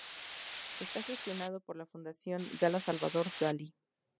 Está gestionado por la Fundación Gala-Salvador Dalí.